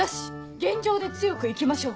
現状で強く生きましょう。